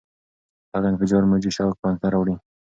دغه انفجار موجي شوک منځته راوړي.